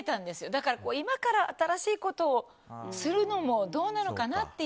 だから今から新しいことをするのもどうなのかなって。